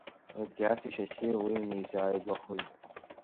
Едгьаци Шьасиеи уи инеизааигәахоит.